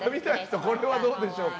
これはどうでしょうか。